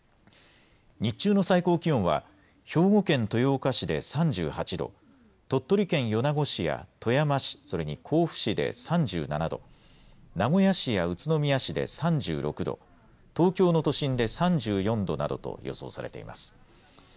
日中の最高気温は兵庫県豊岡市で３８度、鳥取県米子市や富山市、それに甲府市で３７度、名古屋市や宇都宮市で３６度、東京の都心で３４度などと予想されています。